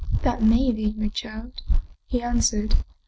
" That may be, my child," he answered.